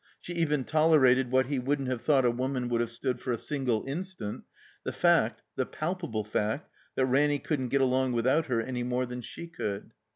She even tolerated what he wouldn't have thought a woman would have stood for a single instant, the fact, the palpable fact, that Ranny couldn't get along without her any more than she could.